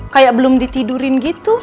kayak belum ditidurin gitu